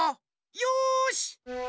よし！